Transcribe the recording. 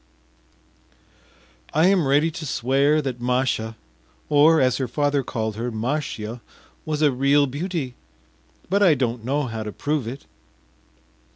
I am ready to swear that Masha or, as her father called her, Mashya was a real beauty, but I don’t know how to prove it.